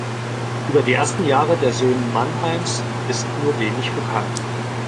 Über die erste Jahre der Söhnen Mannheims ist nur wenig bekannt.